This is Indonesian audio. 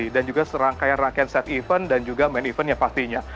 juga serangkaian rangkaian set event dan juga main eventnya pastinya